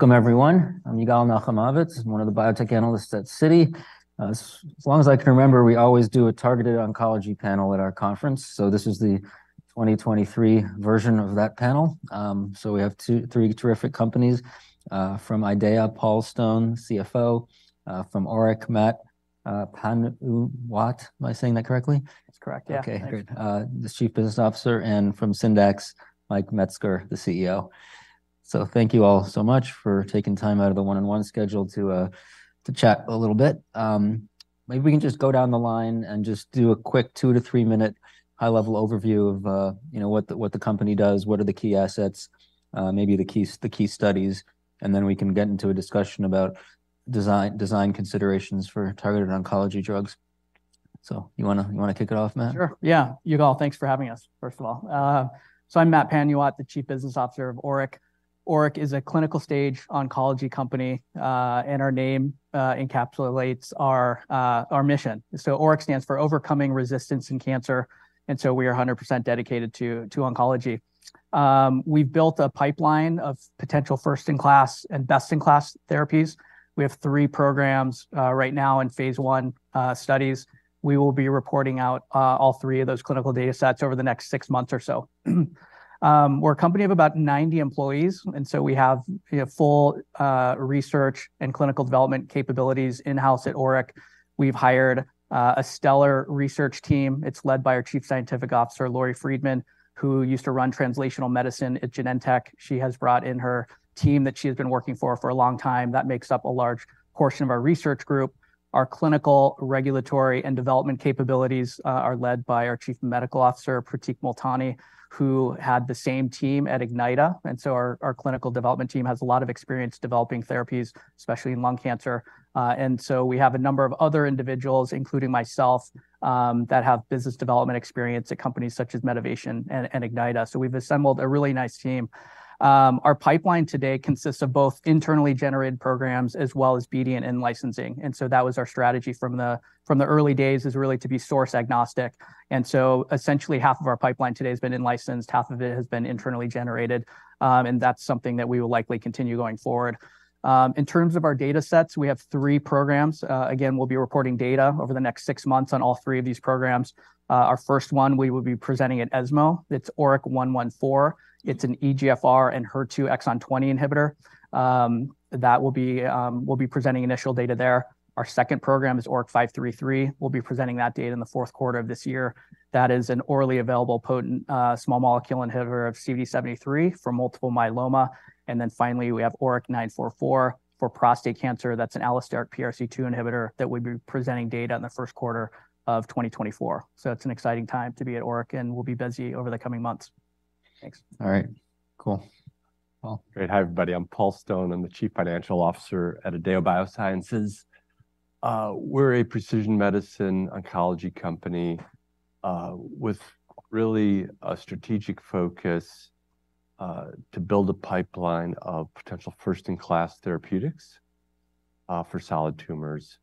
Welcome everyone. I'm Yigal Nochomovitz. I'm one of the biotech analysts at Citi. As long as I can remember, we always do a targeted oncology panel at our conference, so this is the 2023 version of that panel. So we have 2-3-terrific companies, from IDEAYA, Paul Stone, CFO, from ORIC, Matt Panuwat. Am I saying that correctly? That's correct, yeah. Okay, great. The Chief Business Officer, and from Syndax, Mike Metzger, the CEO. So thank you all so much for taking time out of the one-on-one schedule to chat a little bit. Maybe we can just go down the line and just do a quick 2- to 3-minute high-level overview of, you know, what the company does, what are the key assets, maybe the key studies, and then we can get into a discussion about design considerations for targeted oncology drugs. So you wanna kick it off, Matt? Sure, yeah. Yigal, thanks for having us, first of all. So I'm Matt Panuwat, the Chief Business Officer of ORIC. ORIC is a clinical-stage oncology company, and our name encapsulates our mission. So ORIC stands for Overcoming Resistance in Cancer, and so we are 100% dedicated to oncology. We've built a pipeline of potential first-in-class and best-in-class therapies. We have three programs right now in phase I studies. We will be reporting out all three of those clinical data sets over the next six months or so. We're a company of about 90 employees, and so we have full research and clinical development capabilities in-house at ORIC. We've hired a stellar research team. It's led by our Chief Scientific Officer, Lori Friedman, who used to run Translational Medicine at Genentech. She has brought in her team that she has been working for for a long time, that makes up a large portion of our research group. Our clinical, regulatory, and development capabilities are led by our Chief Medical Officer, Prateek Multani, who had the same team at Ignyta, and so our clinical development team has a lot of experience developing therapies, especially in lung cancer. And so we have a number of other individuals, including myself, that have business development experience at companies such as Medivation and Ignyta. So we've assembled a really nice team. Our pipeline today consists of both internally generated programs as well as BD and in-licensing, and so that was our strategy from the early days, is really to be source agnostic. Essentially, half of our pipeline today has been in-licensed, half of it has been internally generated, and that's something that we will likely continue going forward. In terms of our data sets, we have three programs. Again, we'll be reporting data over the next six months on all three of these programs. Our first one, we will be presenting at ESMO, it's ORIC-114. It's an EGFR and HER2 exon 20 inhibitor. That will be... We'll be presenting initial data there. Our second program is ORIC-533. We'll be presenting that data in the fourth quarter of this year. That is an orally available potent small molecule inhibitor of CD73 for multiple myeloma. And then finally, we have ORIC-944 for prostate cancer. That's an allosteric PRC2 inhibitor that we'll be presenting data in the first quarter of 2024. So it's an exciting time to be at ORIC, and we'll be busy over the coming months. Thanks. All right, cool. Well- Great. Hi, everybody, I'm Paul Stone. I'm the Chief Financial Officer at IDEAYA Biosciences. We're a precision medicine oncology company with really a strategic focus to build a pipeline of potential first-in-class therapeutics for solid tumors.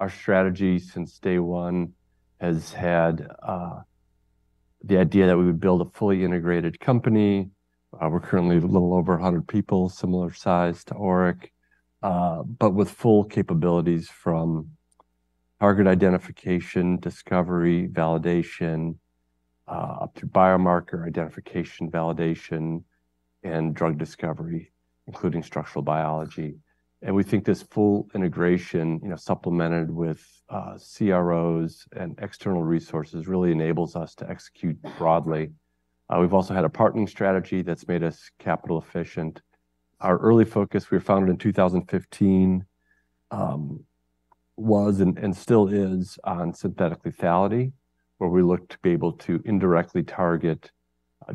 Our strategy since day one has had the idea that we would build a fully integrated company. We're currently a little over 100 people, similar size to ORIC, but with full capabilities from target identification, discovery, validation up to biomarker identification, validation, and drug discovery, including structural biology. And we think this full integration, you know, supplemented with CROs and external resources, really enables us to execute broadly. We've also had a partnering strategy that's made us capital efficient. Our early focus, we were founded in 2015, was, and still is on synthetic lethality, where we look to be able to indirectly target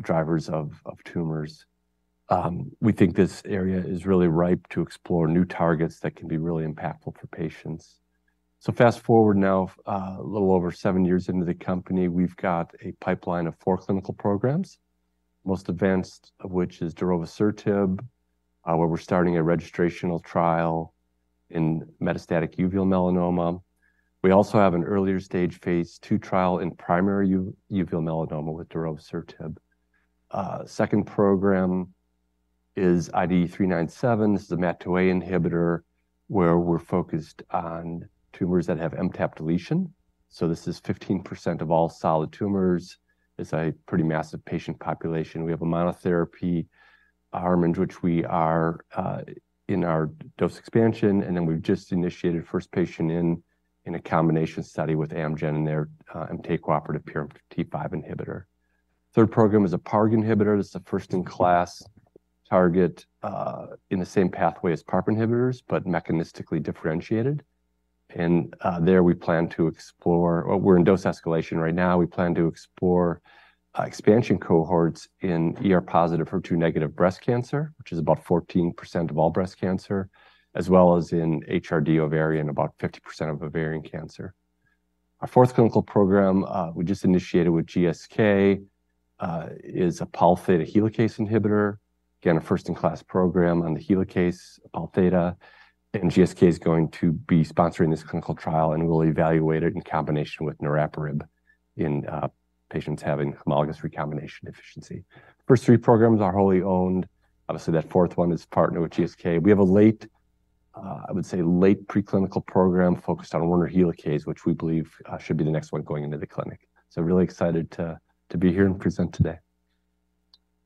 drivers of tumors. We think this area is really ripe to explore new targets that can be really impactful for patients. So fast-forward now, a little over seven years into the company, we've got a pipeline of four clinical programs, most advanced of which is Darovasertib, where we're starting a registrational trial in metastatic uveal melanoma. We also have an earlier stage phase II trial in primary uveal melanoma with Darovasertib. Second program is IDE397. This is a MAT2A inhibitor, where we're focused on tumors that have MTAP deletion. So this is 15% of all solid tumors, it's a pretty massive patient population. We have a monotherapy arm, in which we are in our dose expansion, and then we've just initiated first patient in a combination study with Amgen and their MTAP-cooperative PRMT5 inhibitor. Third program is a PARP inhibitor. This is a first-in-class target in the same pathway as PARP inhibitors, but mechanistically differentiated. There we plan to explore, or we're in dose escalation right now. We plan to explore expansion cohorts in ER-positive, HER2-negative breast cancer, which is about 14% of all breast cancer, as well as in HRD ovarian, about 50% of ovarian cancer. Our fourth clinical program, we just initiated with GSK, is a Pol Theta Helicase inhibitor, again, a first-in-class program on the Pol Theta Helicase, and GSK is going to be sponsoring this clinical trial, and we'll evaluate it in combination with Niraparib... in patients having homologous recombination deficiency. First three programs are wholly owned. Obviously, that fourth one is partnered with GSK. We have a late, I would say, late preclinical program focused on Werner Helicase, which we believe should be the next one going into the clinic. So really excited to be here and present today.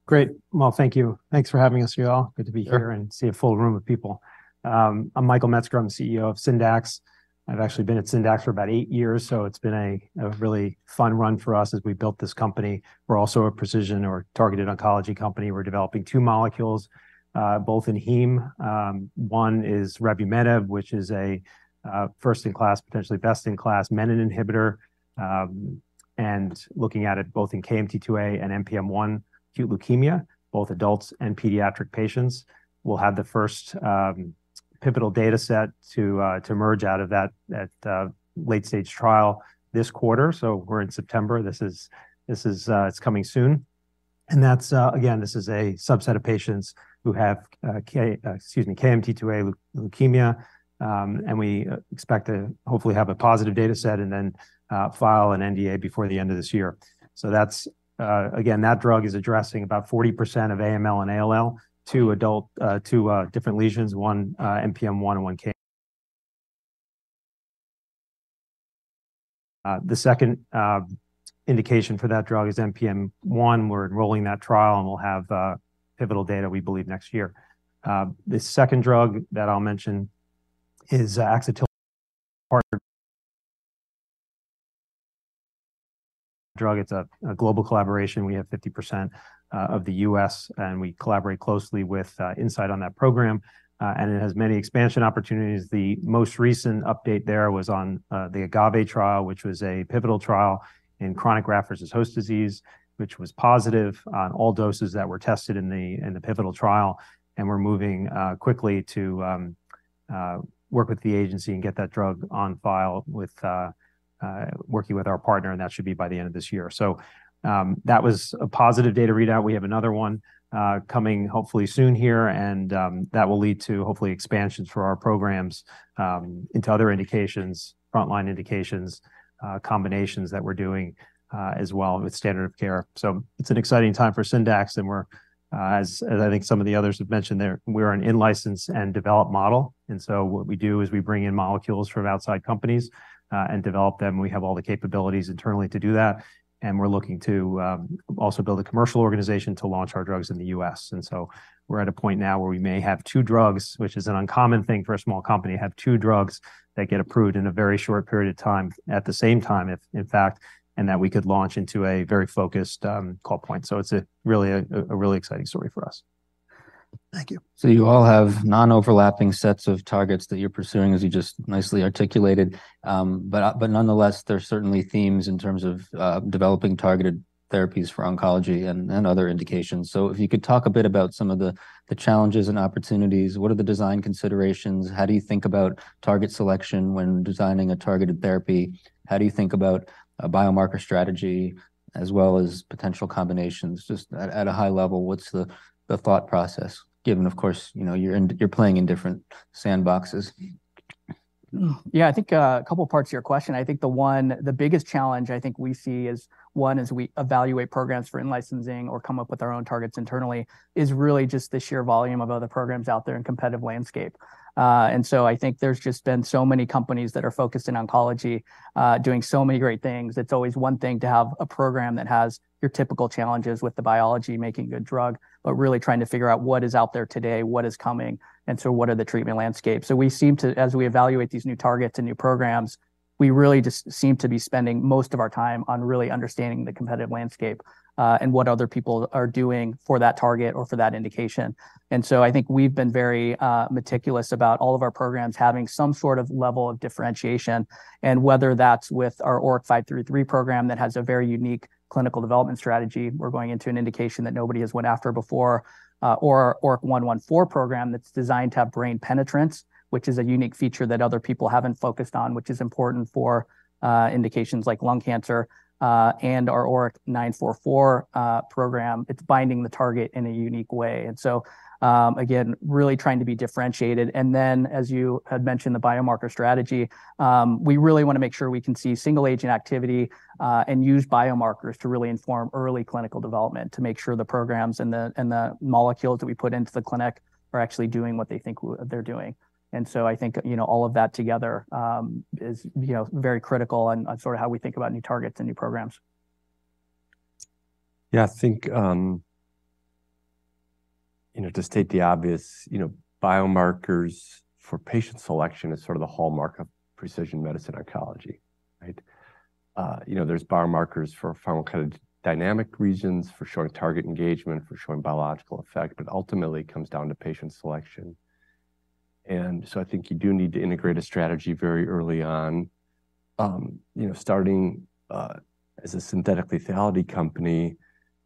Great! Well, thank you. Thanks for having us, you all. Good to be here- Sure. and see a full room of people. I'm Michael Metzger. I'm the CEO of Syndax. I've actually been at Syndax for about eight years, so it's been a really fun run for us as we built this company. We're also a precision or targeted oncology company. We're developing two molecules, both in heme. One is revumenib, which is a first-in-class, potentially best-in-class menin inhibitor, and looking at it both in KMT2A and NPM1 acute leukemia, both adults and pediatric patients. We'll have the first pivotal dataset to emerge out of that late-stage trial this quarter. So we're in September. This is, it's coming soon. And that's... Again, this is a subset of patients who have KMT2A leukemia, and we expect to hopefully have a positive dataset and then file an NDA before the end of this year. So that's again, that drug is addressing about 40% of AML and ALL, two different lesions, one NPM1 and one K. The second indication for that drug is NPM1. We're enrolling that trial, and we'll have pivotal data, we believe, next year. The second drug that I'll mention is axatilimab. It's a global collaboration. We have 50% of the U.S., and we collaborate closely with Incyte on that program, and it has many expansion opportunities. The most recent update there was on the AGAVE trial, which was a pivotal trial in chronic graft-versus-host disease, which was positive on all doses that were tested in the pivotal trial. We're moving quickly to work with the agency and get that drug on file, working with our partner, and that should be by the end of this year. That was a positive data readout. We have another one coming hopefully soon here, and that will lead to hopefully expansions for our programs into other indications, frontline indications, combinations that we're doing as well with standard of care. So it's an exciting time for Syndax, and we're, as I think some of the others have mentioned there, we're an in-license and developed model, and so what we do is we bring in molecules from outside companies and develop them. We have all the capabilities internally to do that, and we're looking to also build a commercial organization to launch our drugs in the U.S. And so we're at a point now where we may have two drugs, which is an uncommon thing for a small company, to have two drugs that get approved in a very short period of time, at the same time, if in fact, and that we could launch into a very focused call point. So it's a really exciting story for us. Thank you. So you all have non-overlapping sets of targets that you're pursuing, as you just nicely articulated. But nonetheless, there are certainly themes in terms of developing targeted therapies for oncology and other indications. So if you could talk a bit about some of the challenges and opportunities, what are the design considerations? How do you think about target selection when designing a targeted therapy? How do you think about a biomarker strategy, as well as potential combinations? Just at a high level, what's the thought process, given, of course, you know, you're in—you're playing in different sandboxes? Yeah, I think, a couple parts of your question. I think the one... the biggest challenge I think we see is, one, as we evaluate programs for in-licensing or come up with our own targets internally, is really just the sheer volume of other programs out there and competitive landscape. And so I think there's just been so many companies that are focused in oncology, doing so many great things. It's always one thing to have a program that has your typical challenges with the biology, making a good drug, but really trying to figure out what is out there today, what is coming, and so what are the treatment landscapes? So as we evaluate these new targets and new programs, we really just seem to be spending most of our time on really understanding the competitive landscape, and what other people are doing for that target or for that indication. And so I think we've been very, meticulous about all of our programs having some sort of level of differentiation, and whether that's with our ORIC-533 program, that has a very unique clinical development strategy. We're going into an indication that nobody has went after before, or our ORIC-114 program that's designed to have brain penetrance, which is a unique feature that other people haven't focused on, which is important for, indications like lung cancer, and our ORIC-944, program. It's binding the target in a unique way. And so, again, really trying to be differentiated. And then, as you had mentioned, the biomarker strategy, we really wanna make sure we can see single agent activity, and use biomarkers to really inform early clinical development, to make sure the programs and the, and the molecules that we put into the clinic are actually doing what they think they're doing. And so I think, you know, all of that together, is, you know, very critical on, on sort of how we think about new targets and new programs. Yeah, I think, you know, to state the obvious, you know, biomarkers for patient selection is sort of the hallmark of precision medicine oncology, right? You know, there's biomarkers for pharmacodynamic reasons, for showing target engagement, for showing biological effect, but ultimately, it comes down to patient selection. And so I think you do need to integrate a strategy very early on. You know, starting as a synthetic lethality company,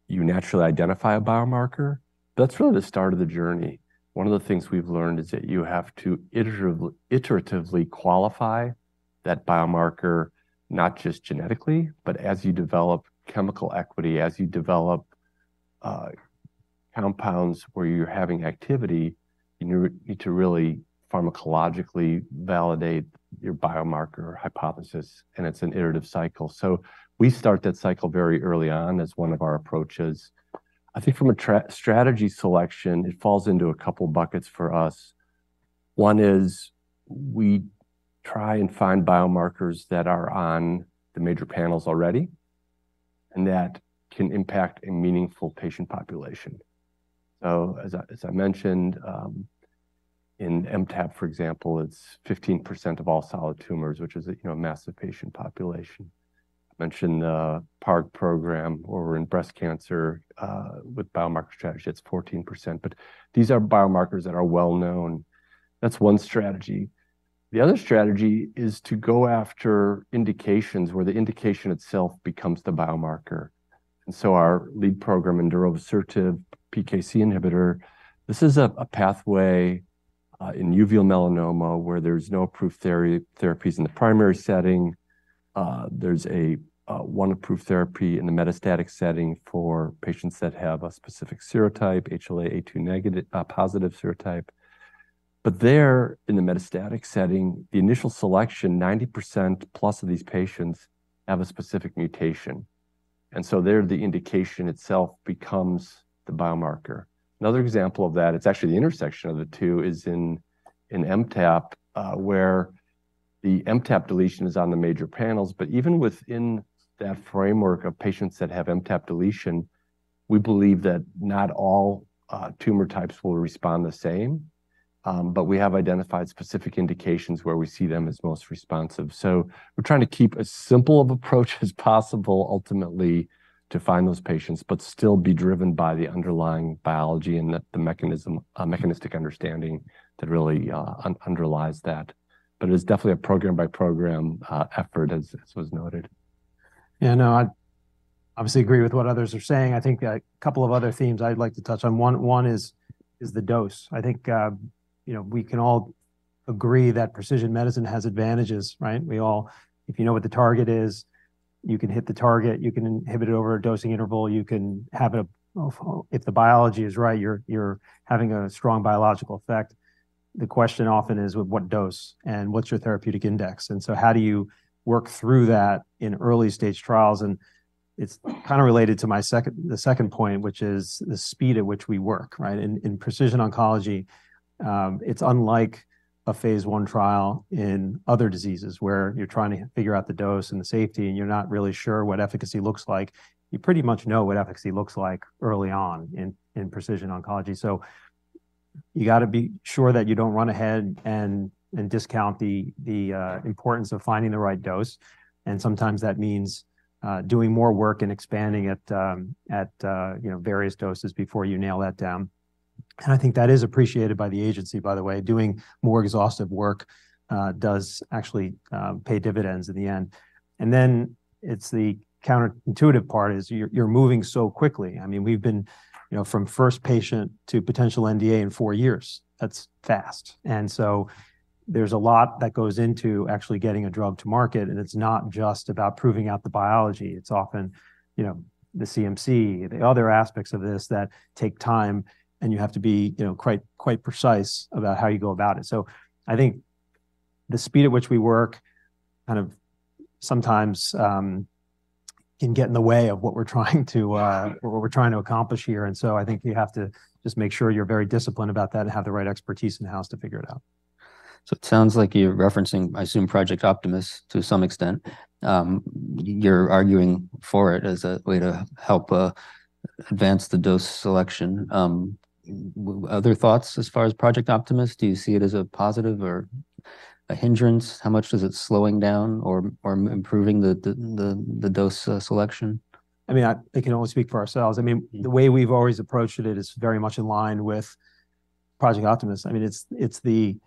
you naturally identify a biomarker. That's really the start of the journey. One of the things we've learned is that you have to iteratively qualify that biomarker, not just genetically, but as you develop chemical equity, as you develop compounds where you're having activity, and you really pharmacologically validate your biomarker hypothesis, and it's an iterative cycle. So we start that cycle very early on as one of our approaches. I think from a strategy selection, it falls into a couple of buckets for us. One is, we try and find biomarkers that are on the major panels already, and that can impact a meaningful patient population. So as I mentioned, in MTAP, for example, it's 15% of all solid tumors, which is a, you know, massive patient population. I mentioned the PARP program over in breast cancer with biomarker strategy, it's 14%, but these are biomarkers that are well known. That's one strategy. The other strategy is to go after indications where the indication itself becomes the biomarker. And so our lead asset, a PKC inhibitor, this is a pathway in uveal melanoma, where there's no approved therapy, therapies in the primary setting. There's one approved therapy in the metastatic setting for patients that have a specific serotype, HLA-A2 negative, positive serotype. But there, in the metastatic setting, the initial selection, 90%+ of these patients have a specific mutation, and so there, the indication itself becomes the biomarker. Another example of that, it's actually the intersection of the two, is in MTAP, where the MTAP deletion is on the major panels. But even within that framework of patients that have MTAP deletion, we believe that not all tumor types will respond the same, but we have identified specific indications where we see them as most responsive. So we're trying to keep as simple of approach as possible, ultimately, to find those patients, but still be driven by the underlying biology and the mechanism-mechanistic understanding that really underlies that. It is definitely a program-by-program effort, as was noted. Yeah, no, I obviously agree with what others are saying. I think a couple of other themes I'd like to touch on. One is the dose. I think, you know, we can all agree that precision medicine has advantages, right? We all, if you know what the target is, you can hit the target, you can inhibit it over a dosing interval, you can have a... If the biology is right, you're having a strong biological effect. The question often is, with what dose, and what's your therapeutic index? And so how do you work through that in early stage trials? And it's kind of related to my second, the second point, which is the speed at which we work, right? In precision oncology, it's unlike a phase I trial in other diseases, where you're trying to figure out the dose and the safety, and you're not really sure what efficacy looks like. You pretty much know what efficacy looks like early on in precision oncology. So you got to be sure that you don't run ahead and discount the importance of finding the right dose. And sometimes that means doing more work and expanding at, you know, various doses before you nail that down. And I think that is appreciated by the agency, by the way. Doing more exhaustive work does actually pay dividends in the end. And then it's the counterintuitive part, is you're moving so quickly. I mean, we've been, you know, from first patient to potential NDA in four years. That's fast. And so there's a lot that goes into actually getting a drug to market, and it's not just about proving out the biology. It's often, you know, the CMC, the other aspects of this that take time, and you have to be, you know, quite, quite precise about how you go about it. So I think the speed at which we work kind of sometimes can get in the way of what we're trying to accomplish here. And so I think you have to just make sure you're very disciplined about that and have the right expertise in-house to figure it out. So it sounds like you're referencing, I assume, Project Optimist to some extent. You're arguing for it as a way to help advance the dose selection. Other thoughts as far as Project Optimist? Do you see it as a positive or a hindrance? How much is it slowing down or improving the dose selection? I mean, I can only speak for ourselves. I mean, the way we've always approached it is very much in line with Project Optimist. I mean, it's the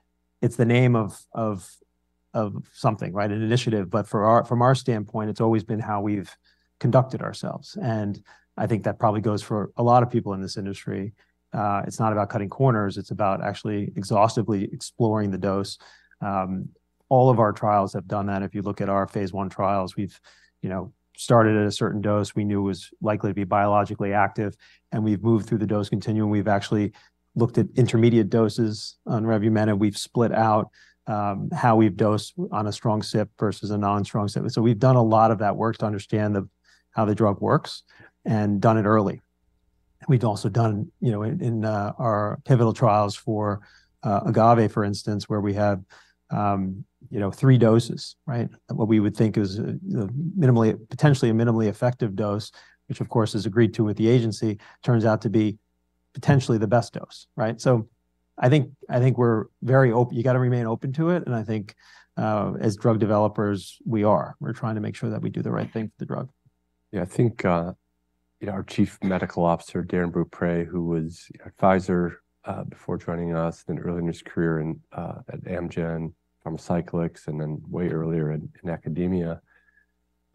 name of something, right? An initiative. But from our standpoint, it's always been how we've conducted ourselves, and I think that probably goes for a lot of people in this industry. It's not about cutting corners, it's about actually exhaustively exploring the dose. All of our trials have done that. If you look at our phase I trials, we've, you know, started at a certain dose we knew was likely to be biologically active, and we've moved through the dose continuum. We've actually looked at intermediate doses on Revumenib, and we've split out how we've dosed on a strong CYP versus a non-strong CYP. So we've done a lot of that work to understand how the drug works, and done it early. We've also done, you know, our pivotal trials for AGAVE, for instance, where we had, you know, three doses, right? What we would think is potentially a minimally effective dose, which, of course, is agreed to with the agency, turns out to be potentially the best dose, right? So I think we're very open. You got to remain open to it, and I think, as drug developers, we are. We're trying to make sure that we do the right thing for the drug. Yeah, I think, you know, our Chief Medical Officer, Darrin Beaupre, who was at Pfizer before joining us, then early in his career at Amgen, Pharmacyclics, and then way earlier in academia,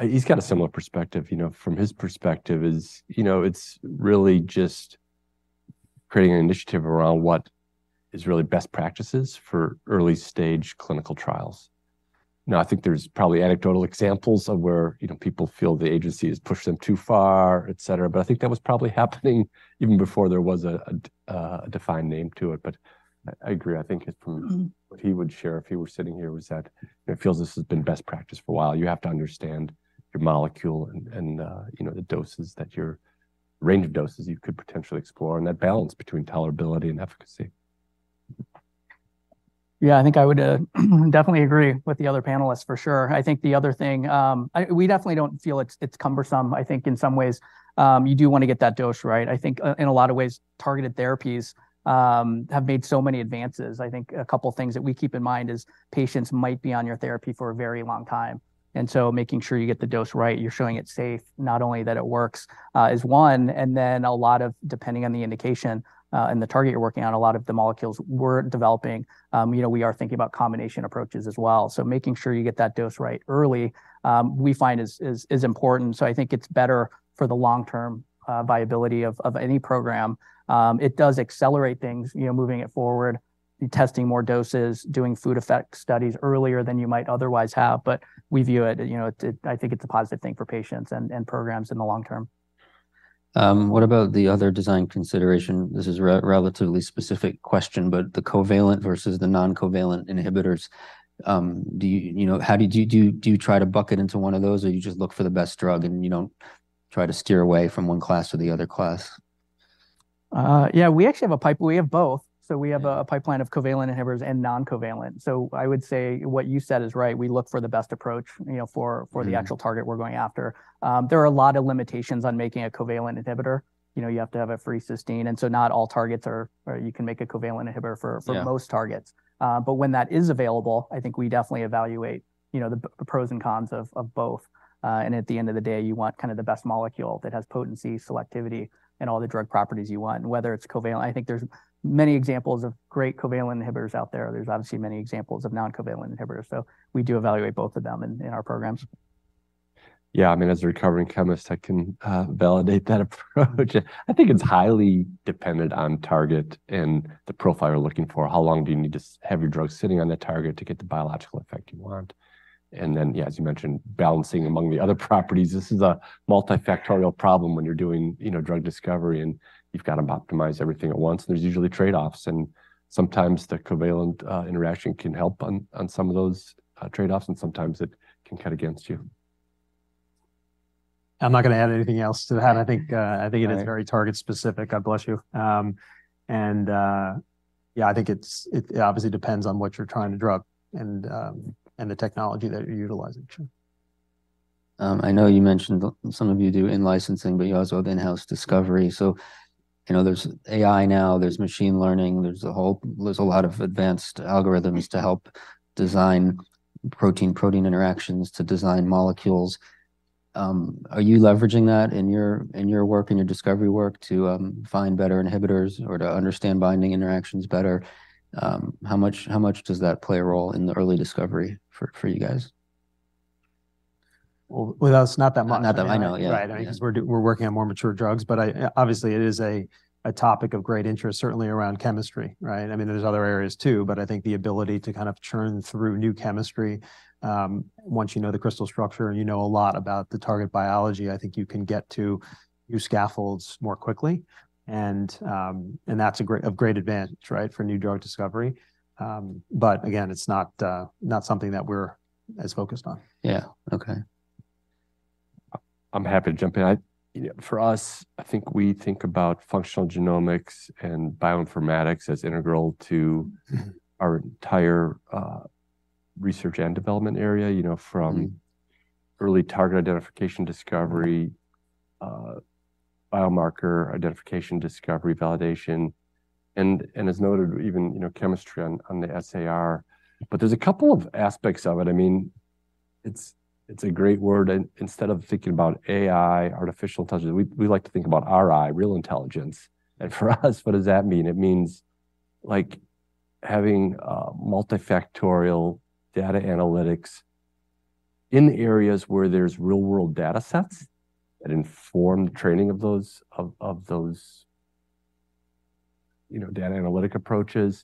he's got a similar perspective. You know, from his perspective is, you know, it's really just creating an initiative around what is really best practices for early stage clinical trials. Now, I think there's probably anecdotal examples of where, you know, people feel the agency has pushed them too far, et cetera. But I think that was probably happening even before there was a defined name to it. But I agree. I think his point- Mm-hmm What he would share if he were sitting here was that it feels this has been best practice for a while. You have to understand your molecule and you know, the range of doses you could potentially explore, and that balance between tolerability and efficacy. Yeah, I think I would definitely agree with the other panelists, for sure. I think the other thing, we definitely don't feel it's cumbersome. I think in some ways, you do wanna get that dose right. I think in a lot of ways, targeted therapies have made so many advances. I think a couple of things that we keep in mind is patients might be on your therapy for a very long time, and so making sure you get the dose right, you're showing it's safe, not only that it works, is one, and then a lot of depending on the indication, and the target you're working on, a lot of the molecules we're developing, you know, we are thinking about combination approaches as well. So making sure you get that dose right early, we find is important. So I think it's better for the long-term viability of any program. It does accelerate things, you know, moving it forward, you're testing more doses, doing food effect studies earlier than you might otherwise have, but we view it, you know, it. I think it's a positive thing for patients and programs in the long term. What about the other design consideration? This is a relatively specific question, but the covalent versus the non-covalent inhibitors, do you... You know, do you try to bucket into one of those, or you just look for the best drug and you don't try to steer away from one class to the other class? Yeah, we actually have both. Yeah. So we have a pipeline of covalent inhibitors and non-covalent. So I would say what you said is right, we look for the best approach, you know, for- Mm-hmm for the actual target we're going after. There are a lot of limitations on making a covalent inhibitor. You know, you have to have a free cysteine, and so not all targets are - or you can make a covalent inhibitor for- Yeah... for most targets. But when that is available, I think we definitely evaluate, you know, the pros and cons of both. And at the end of the day, you want kind of the best molecule that has potency, selectivity, and all the drug properties you want, and whether it's covalent. I think there's many examples of great covalent inhibitors out there. There's obviously many examples of non-covalent inhibitors, so we do evaluate both of them in our programs. Yeah, I mean, as a recovering chemist, I can validate that approach. I think it's highly dependent on target and the profile you're looking for. How long do you need to have your drug sitting on the target to get the biological effect you want? And then, yeah, as you mentioned, balancing among the other properties, this is a multifactorial problem when you're doing, you know, drug discovery, and you've got to optimize everything at once. There's usually trade-offs, and sometimes the covalent interaction can help on some of those trade-offs, and sometimes it can cut against you. I'm not gonna add anything else to that. I think, All right... I think it is very target specific. God bless you. And yeah, I think it obviously depends on what you're trying to drug and the technology that you're utilizing. Sure. I know you mentioned some of you do in-licensing, but you also have in-house discovery. So, you know, there's AI now, there's machine learning, there's a lot of advanced algorithms to help design protein-protein interactions, to design molecules. Are you leveraging that in your work, in your discovery work to find better inhibitors or to understand binding interactions better? How much does that play a role in the early discovery for you guys? Well, with us, not that much. Not that much. I know, yeah. Right. Yeah. Because we're working on more mature drugs, but I, obviously, it is a topic of great interest, certainly around chemistry, right? I mean, there's other areas too, but I think the ability to kind of churn through new chemistry, once you know the crystal structure and you know a lot about the target biology, I think you can get to new scaffolds more quickly. And that's of great advantage, right, for new drug discovery. But again, it's not something that we're as focused on. Yeah. Okay. I'm happy to jump in. You know, for us, I think we think about functional genomics and bioinformatics as integral to- Mm-hmm... our entire research and development area, you know, from- Mm... early target identification discovery, biomarker identification, discovery, validation, and as noted, even, you know, chemistry on the SAR. But there's a couple of aspects of it. I mean, it's a great word, and instead of thinking about AI, artificial intelligence, we like to think about RI, real intelligence. And for us, what does that mean? It means like having multifactorial data analytics in areas where there's real-world datasets that inform the training of those you know data analytic approaches,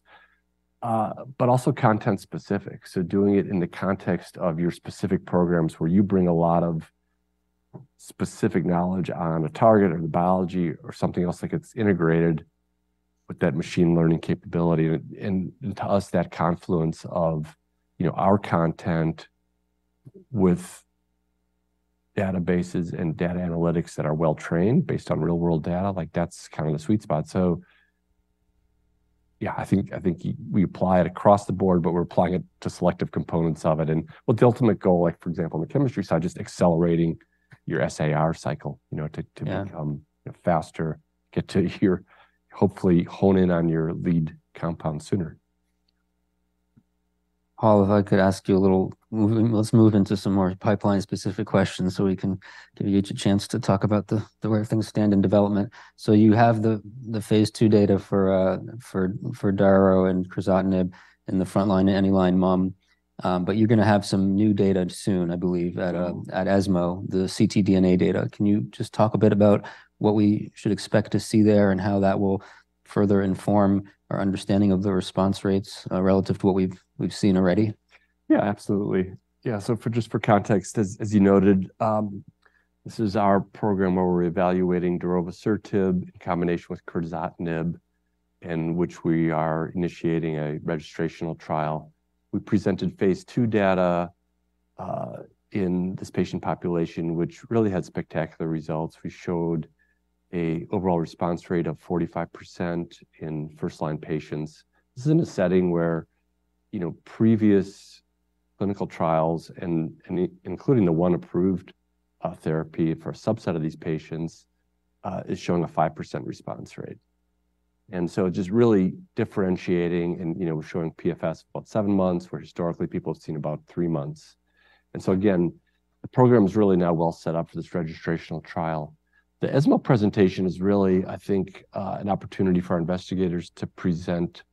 but also content-specific. So doing it in the context of your specific programs, where you bring a lot of specific knowledge on a target or the biology or something else that gets integrated with that machine learning capability. And to us, that confluence of, you know, our content with databases and data analytics that are well-trained based on real-world data, like, that's kind of the sweet spot. So yeah, I think we apply it across the board, but we're applying it to selective components of it. And well, the ultimate goal, like for example, on the chemistry side, just accelerating your SAR cycle, you know, to. Yeah... become faster, get to your... Hopefully, hone in on your lead compound sooner. Paul, if I could ask you a little... Moving—let's move into some more pipeline-specific questions, so we can give you each a chance to talk about the way things stand in development. So you have the phase II data for daro and crizotinib in the front-line and any-line uveal melanoma, but you're gonna have some new data soon, I believe, at ESMO, the ctDNA data. Can you just talk a bit about what we should expect to see there and how that will further inform our understanding of the response rates relative to what we've seen already? Yeah, absolutely. Yeah, so just for context, as you noted, this is our program where we're evaluating darovasertib in combination with crizotinib, in which we are initiating a registrational trial. We presented phase II data in this patient population, which really had spectacular results. We showed an overall response rate of 45% in first-line patients. This is in a setting where, you know, previous clinical trials and including the one approved therapy for a subset of these patients is showing a 5% response rate. And so just really differentiating and, you know, showing PFS about 7 months, where historically people have seen about 3 months. And so again, the program is really now well set up for this registrational trial. The ESMO presentation is really, I think, an opportunity for our investigators to present.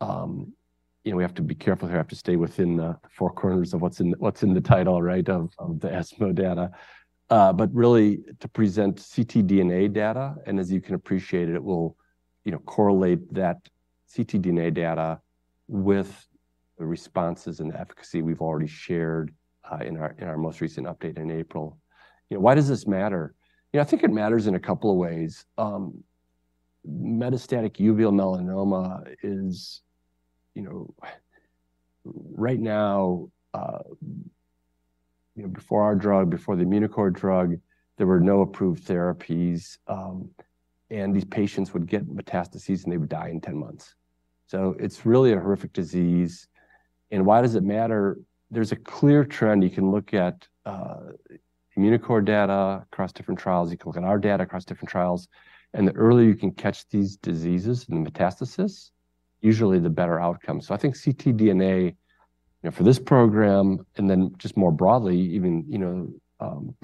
You know, we have to be careful here, we have to stay within the four corners of what's in, what's in the title, right, of, of the ESMO data. But really to present ctDNA data, and as you can appreciate it, it will, you know, correlate that ctDNA data with the responses and efficacy we've already shared, in our, in our most recent update in April. Yeah, why does this matter? Yeah, I think it matters in a couple of ways. Metastatic uveal melanoma is, you know, right now, you know, before our drug, before the Immunocore drug, there were no approved therapies, and these patients would get metastases, and they would die in 10 months. So it's really a horrific disease. And why does it matter? There's a clear trend. You can look at, Immunocore data across different trials, you can look at our data across different trials, and the earlier you can catch these diseases and the metastasis, usually the better outcome. So I think ctDNA, you know, for this program, and then just more broadly, even, you know,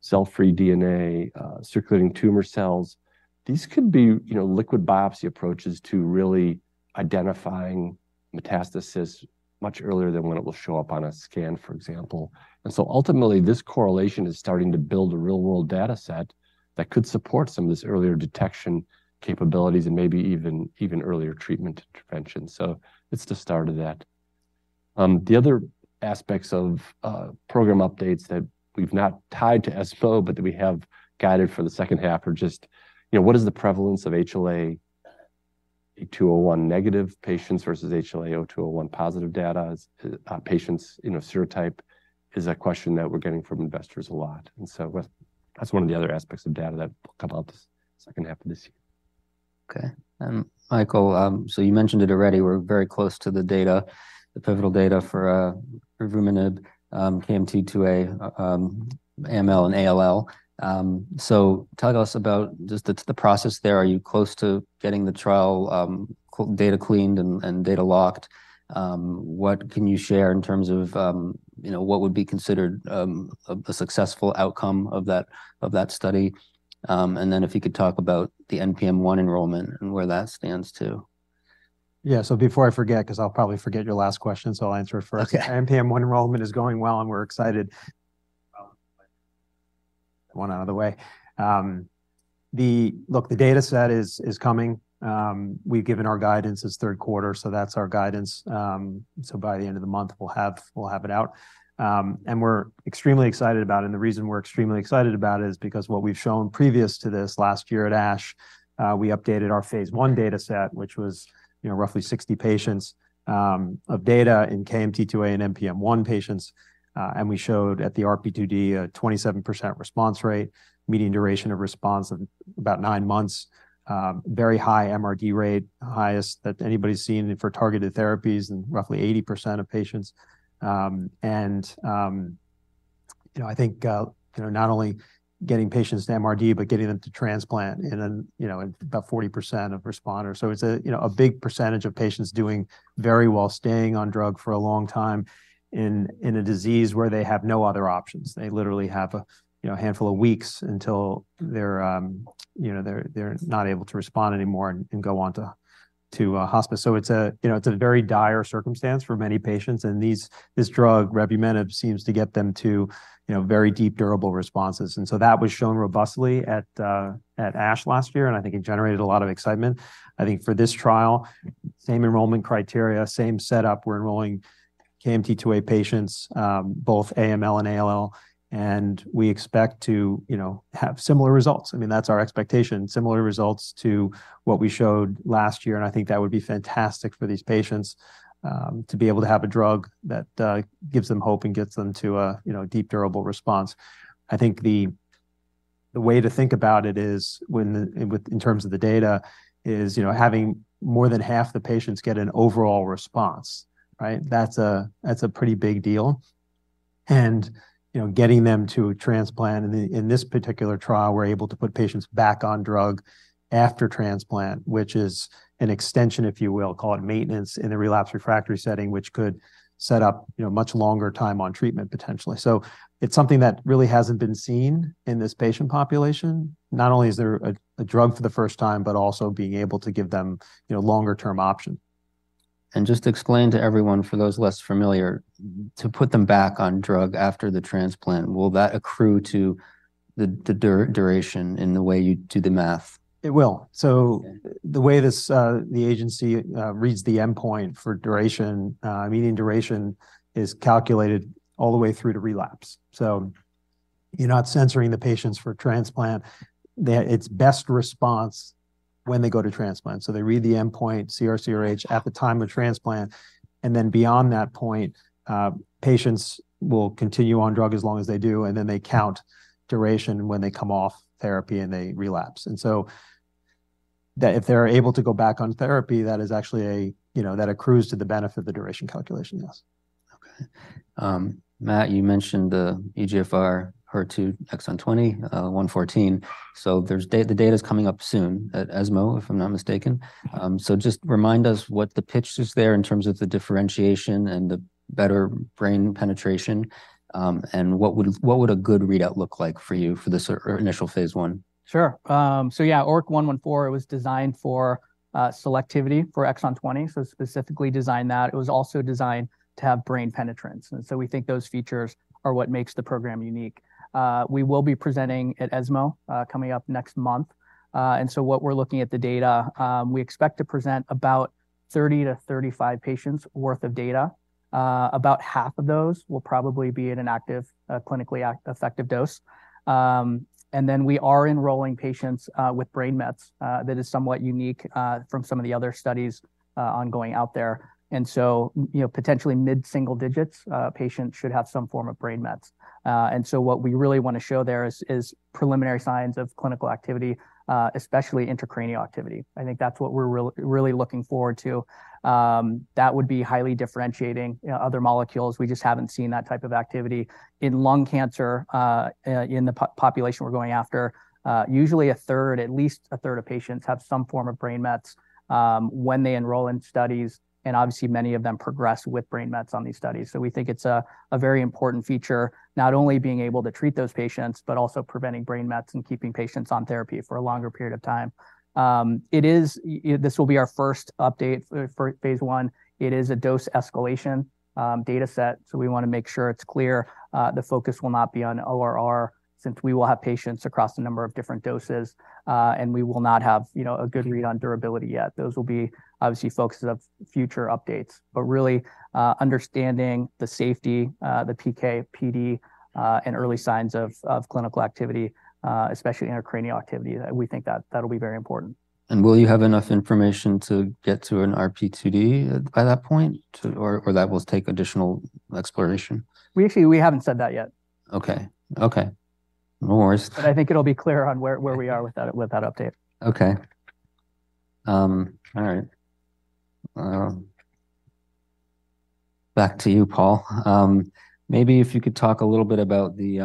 cell-free DNA, circulating tumor cells, these could be, you know, liquid biopsy approaches to really identifying metastasis much earlier than when it will show up on a scan, for example. And so ultimately, this correlation is starting to build a real-world data set that could support some of this earlier detection capabilities and maybe even, even earlier treatment intervention. So it's the start of that. The other aspects of program updates that we've not tied to ESMO, but that we have guided for the second half are just, you know, what is the prevalence of HLA-A*02:01 negative patients versus HLA-A*02:01 positive data, patients, you know, serotype is a question that we're getting from investors a lot. And so that's, that's one of the other aspects of data that will come out this second half of this year. Okay. Michael, so you mentioned it already, we're very close to the data, the pivotal data for Revumenib, KMT2A, AML and ALL. So tell us about just the process there. Are you close to getting the trial data cleaned and data locked? What can you share in terms of, you know, what would be considered a successful outcome of that study? And then if you could talk about the NPM1 enrollment and where that stands, too. Yeah. So before I forget, 'cause I'll probably forget your last question, so I'll answer it first. Okay. NPM1 enrollment is going well, and we're excited... One out of the way. Look, the data set is coming. We've given our guidance as third quarter, so that's our guidance. So by the end of the month, we'll have it out. And we're extremely excited about it. And the reason we're extremely excited about it is because what we've shown previous to this last year at ASH, we updated our phase I data set, which was, you know, roughly 60 patients, of data in KMT2A and NPM1 patients. And we showed at the RP2D a 27% response rate, median duration of response of about nine months, very high MRD rate, highest that anybody's seen for targeted therapies in roughly 80% of patients. You know, I think, you know, not only getting patients to MRD, but getting them to transplant in an, you know, about 40% of responders. So it's a, you know, a big percentage of patients doing very well, staying on drug for a long time in, in a disease where they have no other options. They literally have a, you know, handful of weeks until they're, you know, they're, they're not able to respond anymore and, and go on to, to, hospice. So it's a, you know, it's a very dire circumstance for many patients, and this drug, Revumenib, seems to get them to, you know, very deep, durable responses. And so that was shown robustly at, at ASH last year, and I think it generated a lot of excitement. I think for this trial, same enrollment criteria, same setup. We're enrolling KMT2A patients, both AML and ALL, and we expect to, you know, have similar results. I mean, that's our expectation, similar results to what we showed last year, and I think that would be fantastic for these patients, to be able to have a drug that gives them hope and gets them to a, you know, deep, durable response. I think the way to think about it is, in terms of the data, you know, having more than half the patients get an overall response, right? That's a, that's a pretty big deal. You know, getting them to transplant in this particular trial, we're able to put patients back on drug after transplant, which is an extension, if you will, call it maintenance, in a relapse refractory setting, which could set up, you know, much longer time on treatment, potentially. So it's something that really hasn't been seen in this patient population. Not only is there a drug for the first time, but also being able to give them, you know, longer term option. ... just explain to everyone, for those less familiar, to put them back on drug after the transplant, will that accrue to the duration in the way you do the math? It will. So the way this, the agency, reads the endpoint for duration, median duration is calculated all the way through to relapse. So you're not censoring the patients for transplant, it's best response when they go to transplant. So they read the endpoint, CR/CRh, at the time of transplant, and then beyond that point, patients will continue on drug as long as they do, and then they count duration when they come off therapy and they relapse. And so if they're able to go back on therapy, that is actually a, you know, that accrues to the benefit of the duration calculation, yes. Okay. Matt, you mentioned the EGFR HER2 exon 20, ORIC-114. So there's the data's coming up soon at ESMO, if I'm not mistaken. So just remind us what the pitch is there in terms of the differentiation and the better brain penetration, and what would a good readout look like for you for this or initial phase I? Sure. So yeah, ORIC-114, it was designed for selectivity for exon 20, so specifically designed that. It was also designed to have brain penetrance, and so we think those features are what makes the program unique. We will be presenting at ESMO coming up next month. And so what we're looking at the data, we expect to present about 30-35 patients worth of data. About half of those will probably be at a clinically effective dose. And then we are enrolling patients with brain mets, that is somewhat unique from some of the other studies ongoing out there. And so, you know, potentially mid-single digits patients should have some form of brain mets. And so what we really want to show there is preliminary signs of clinical activity, especially intracranial activity. I think that's what we're really, really looking forward to. That would be highly differentiating, you know, other molecules. We just haven't seen that type of activity. In lung cancer, in the population we're going after, usually a third, at least a third of patients have some form of brain mets, when they enroll in studies, and obviously many of them progress with brain mets on these studies. So we think it's a very important feature, not only being able to treat those patients, but also preventing brain mets and keeping patients on therapy for a longer period of time. It is this will be our first update for phase I. It is a dose escalation data set, so we want to make sure it's clear. The focus will not be on ORR, since we will have patients across a number of different doses, and we will not have, you know, a good read on durability yet. Those will be obviously focuses of future updates. But really, understanding the safety, the PK, PD, and early signs of clinical activity, especially intracranial activity, that we think that, that'll be very important. Will you have enough information to get to an RP2D by that point, or that will take additional exploration? We actually, we haven't said that yet. Okay. Okay. No worries. I think it'll be clear on where we are with that update. Okay. All right. Back to you, Paul. Maybe if you could talk a little bit about the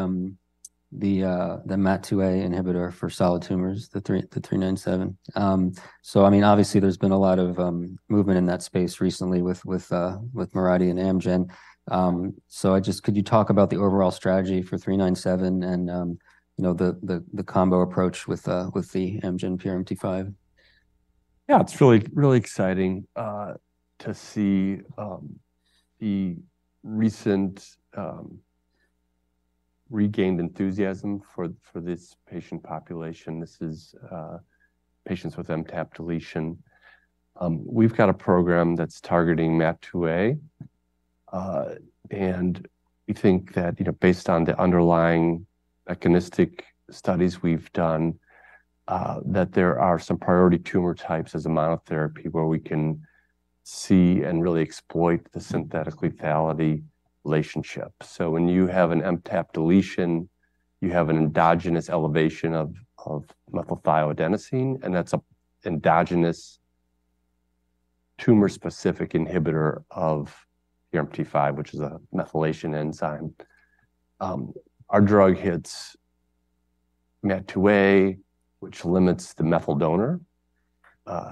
MAT2A inhibitor for solid tumors, the 397. So I mean, obviously there's been a lot of movement in that space recently with Mirati and Amgen. So I just—could you talk about the overall strategy for 397 and, you know, the combo approach with the Amgen PRMT5? Yeah, it's really, really exciting to see the recent regained enthusiasm for this patient population. This is patients with MTAP deletion. We've got a program that's targeting MAT2A, and we think that, you know, based on the underlying mechanistic studies we've done, that there are some priority tumor types as a monotherapy where we can see and really exploit the synthetic lethality relationship. So when you have an MTAP deletion, you have an endogenous elevation of methylthioadenosine, and that's a endogenous tumor-specific inhibitor of PRMT5, which is a methylation enzyme. Our drug hits MAT2A, which limits the methyl donor.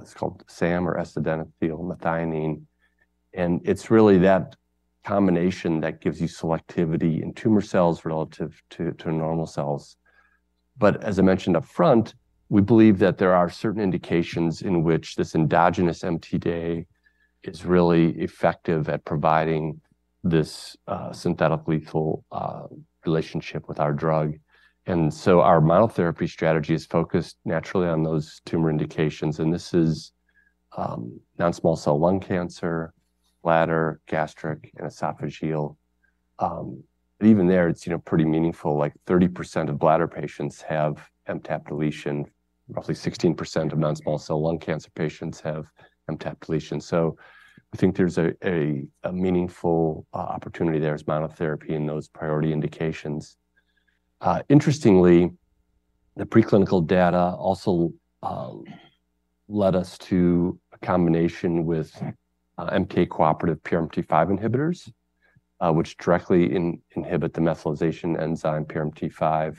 It's called SAM or S-adenosylmethionine, and it's really that combination that gives you selectivity in tumor cells relative to normal cells. But as I mentioned up front, we believe that there are certain indications in which this endogenous MTAP is really effective at providing this, synthetic lethal, relationship with our drug. And so our monotherapy strategy is focused naturally on those tumor indications, and this is, non-small cell lung cancer, bladder, gastric, and esophageal. But even there, it's, you know, pretty meaningful. Like, 30% of bladder patients have MTAP deletion. Roughly 16% of non-small cell lung cancer patients have MTAP deletion. So we think there's a meaningful opportunity there as monotherapy in those priority indications. Interestingly, the preclinical data also led us to a combination with, MTA-cooperative PRMT5 inhibitors, which directly inhibit the methylation enzyme, PRMT5.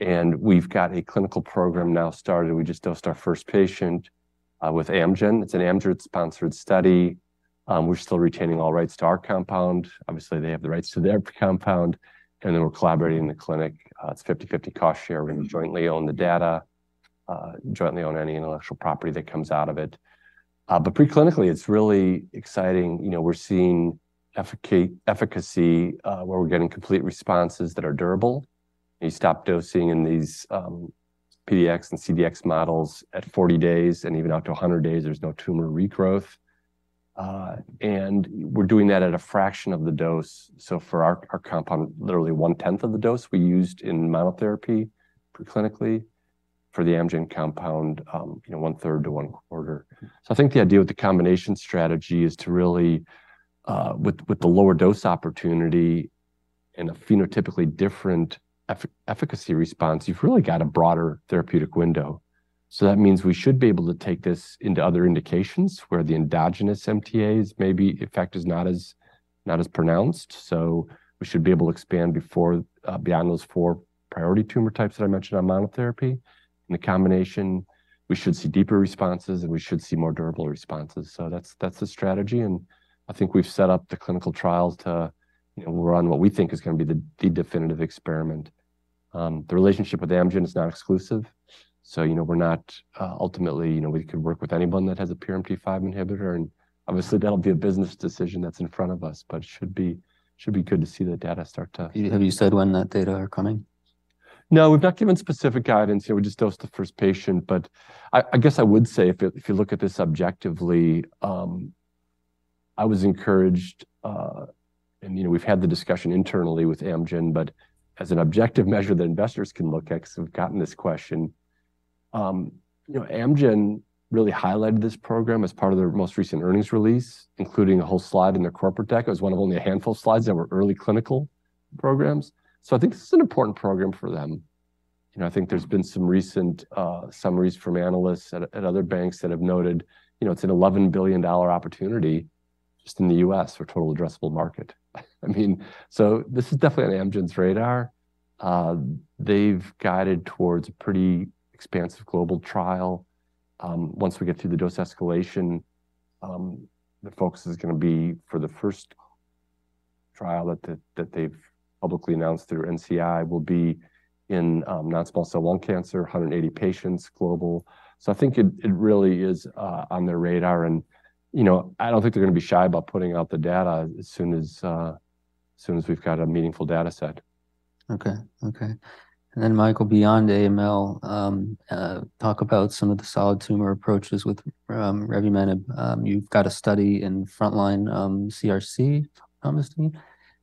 And we've got a clinical program now started. We just dosed our first patient, with Amgen. It's an Amgen-sponsored study. We're still retaining all rights to our compound. Obviously, they have the rights to their compound, and then we're collaborating in the clinic. It's 50/50 cost share, and we jointly own the data.... jointly own any intellectual property that comes out of it. But pre-clinically, it's really exciting. You know, we're seeing efficacy, where we're getting complete responses that are durable. We stop dosing in these PDX and CDX models at 40 days, and even out to 100 days, there's no tumor regrowth. And we're doing that at a fraction of the dose. So for our compound, literally 1/10 of the dose we used in monotherapy pre-clinically, for the Amgen compound, you know, 1/3 to 1/4. So I think the idea with the combination strategy is to really, with the lower dose opportunity and a phenotypically different efficacy response, you've really got a broader therapeutic window. So that means we should be able to take this into other indications, where the endogenous MTAs maybe, in fact, is not as- not as pronounced. So we should be able to expand before, beyond those four priority tumor types that I mentioned on monotherapy. In the combination, we should see deeper responses, and we should see more durable responses. So that's, that's the strategy, and I think we've set up the clinical trials to, you know, run what we think is gonna be the, the definitive experiment. The relationship with Amgen is not exclusive, so, you know, we're not... Ultimately, you know, we could work with anyone that has a PRMT5 inhibitor, and obviously, that'll be a business decision that's in front of us, but should be, it should be good to see the data start to- Have you said when that data are coming? No, we've not given specific guidance yet. We just dosed the first patient, but I guess I would say, if you look at this objectively, I was encouraged. You know, we've had the discussion internally with Amgen, but as an objective measure that investors can look at, because we've gotten this question. You know, Amgen really highlighted this program as part of their most recent earnings release, including a whole slide in their corporate deck. It was one of only a handful of slides that were early clinical programs. So I think this is an important program for them. You know, I think there's been some recent summaries from analysts at other banks that have noted, you know, it's an $11 billion opportunity just in the U.S. for total addressable market. I mean, so this is definitely on Amgen's radar. They've guided towards a pretty expansive global trial. Once we get through the dose escalation, the focus is gonna be for the first trial that they've publicly announced through NCI will be in non-small cell lung cancer, 180 patients, global. So I think it really is on their radar, and, you know, I don't think they're gonna be shy about putting out the data as soon as we've got a meaningful data set. Okay. Okay. And then, Michael, beyond AML, talk about some of the solid tumor approaches with Revumenib. You've got a study in frontline CRC, if I'm listening?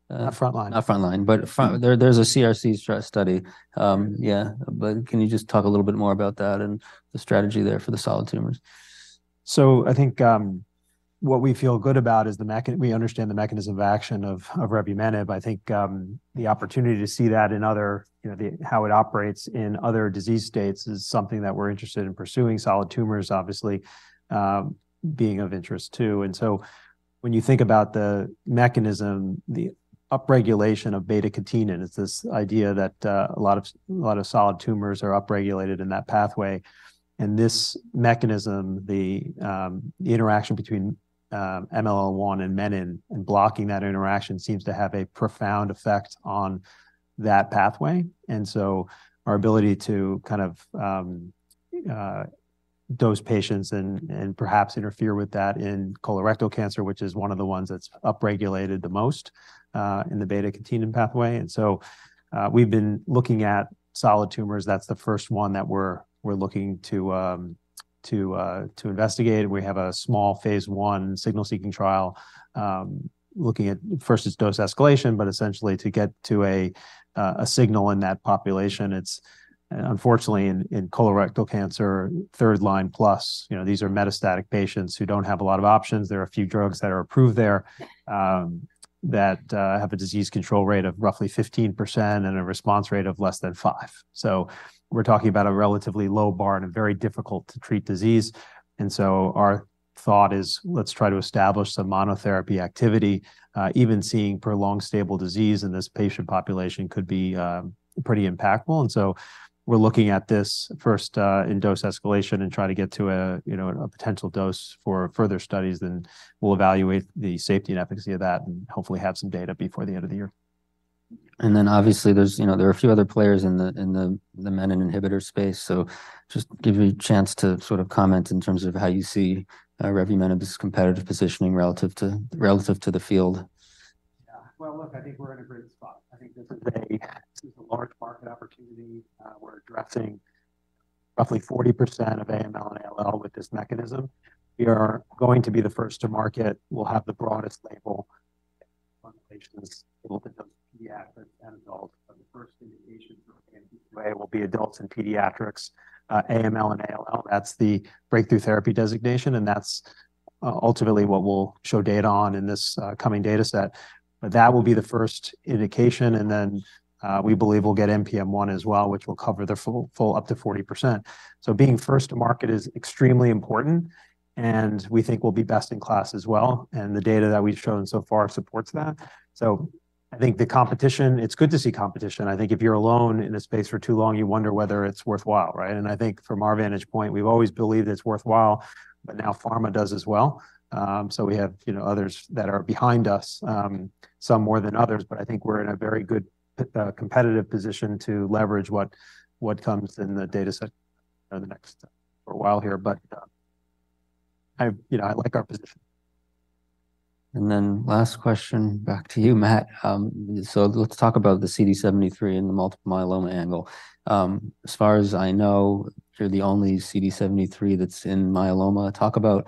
Uh, frontline. Not frontline, but there, there's a CRC study. Yeah, but can you just talk a little bit more about that and the strategy there for the solid tumors? So I think, what we feel good about is we understand the mechanism of action of, of Revumenib. I think, the opportunity to see that in other... You know, the, how it operates in other disease states is something that we're interested in pursuing, solid tumors, obviously, being of interest, too. And so, when you think about the mechanism, the upregulation of beta-catenin, it's this idea that, a lot of, a lot of solid tumors are upregulated in that pathway. And this mechanism, the, the interaction between, MLL1 and Menin, and blocking that interaction seems to have a profound effect on that pathway. And so our ability to kind of, dose patients and, and perhaps interfere with that in colorectal cancer, which is one of the ones that's upregulated the most, in the beta-catenin pathway. And so, we've been looking at solid tumors. That's the first one that we're looking to investigate. We have a small phase I signal-seeking trial looking at first, it's dose escalation, but essentially to get to a signal in that population. It's unfortunately in colorectal cancer, third-line plus. You know, these are metastatic patients who don't have a lot of options. There are a few drugs that are approved there that have a disease control rate of roughly 15% and a response rate of less than 5%. So we're talking about a relatively low bar and a very difficult-to-treat disease. And so our thought is, let's try to establish some monotherapy activity. Even seeing prolonged stable disease in this patient population could be pretty impactful. We're looking at this first in dose escalation and try to get to a, you know, a potential dose for further studies, then we'll evaluate the safety and efficacy of that, and hopefully have some data before the end of the year. Then, obviously, there's, you know, there are a few other players in the Menin inhibitor space, so just give you a chance to sort of comment in terms of how you see Revumenib's competitive positioning relative to the field. Yeah. Well, look, I think we're in a great spot. I think this is a, this is a large market opportunity. We're addressing roughly 40% of AML and ALL with this mechanism. We are going to be the first to market. We'll have the broadest label on patients, both in pediatrics and adults, but the first indication for AML will be adults and pediatrics, AML and ALL. That's the breakthrough therapy designation, and that's ultimately what we'll show data on in this coming dataset. But that will be the first indication, and then we believe we'll get NPM1 as well, which will cover the full, full, up to 40%. So being first to market is extremely important, and we think we'll be best in class as well, and the data that we've shown so far supports that. So I think the competition, it's good to see competition. I think if you're alone in a space for too long, you wonder whether it's worthwhile, right? And I think from our vantage point, we've always believed it's worthwhile, but now pharma does as well. So we have, you know, others that are behind us, some more than others, but I think we're in a very good competitive position to leverage what, what comes in the dataset over the next... for a while here. But,... you know, I like our position. Then last question, back to you, Matt. So let's talk about the CD73 and the multiple myeloma angle. As far as I know, you're the only CD73 that's in myeloma. Talk about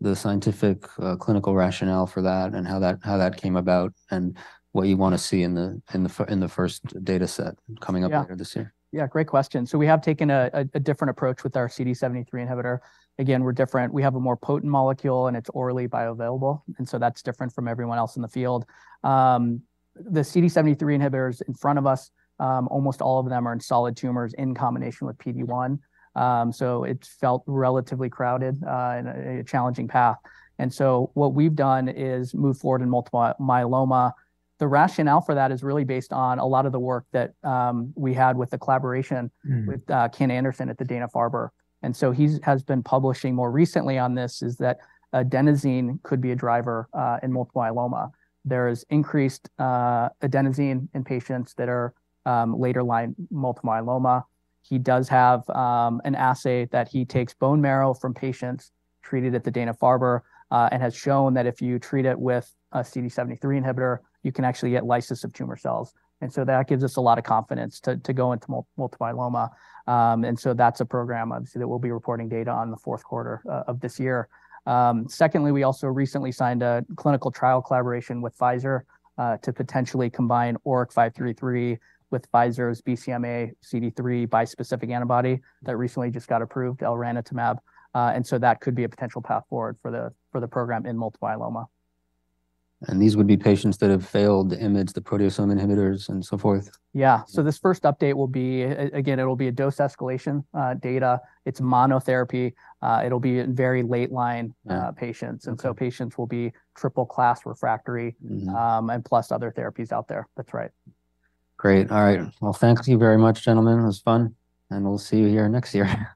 the scientific, clinical rationale for that and how that came about, and what you want to see in the first data set coming up later this year. Yeah, great question. So we have taken a different approach with our CD73 inhibitor. Again, we're different. We have a more potent molecule, and it's orally bioavailable, and so that's different from everyone else in the field. The CD73 inhibitors in front of us, almost all of them are in solid tumors in combination with PD-1. So it felt relatively crowded, and a challenging path. And so what we've done is move forward in multiple myeloma. The rationale for that is really based on a lot of the work that we had with the collaboration- Mm. Kenneth C. Anderson at the Dana-Farber Cancer Institute, and so he has been publishing more recently on this, is that adenosine could be a driver in multiple myeloma. There is increased adenosine in patients that are later line multiple myeloma. He does have an assay that he takes bone marrow from patients treated at the Dana-Farber Cancer Institute, and has shown that if you treat it with a CD73 inhibitor, you can actually get lysis of tumor cells. And so that gives us a lot of confidence to go into multiple myeloma. And so that's a program, obviously, that we'll be reporting data on the fourth quarter of this year. Secondly, we also recently signed a clinical trial collaboration with Pfizer, to potentially combine ORIC-533 with Pfizer's BCMA CD3 bispecific antibody that recently just got approved, elranatamab. That could be a potential path forward for the program in multiple myeloma. These would be patients that have failed the IMiDs, the proteasome inhibitors, and so forth? Yeah. So this first update will be a dose escalation data. It's monotherapy. It'll be in very late line patients. Mm. And so, patients will be triple class refractory- Mm-hmm. and plus other therapies out there. That's right. Great. All right. Well, thank you very much, gentlemen. It was fun, and we'll see you here next year.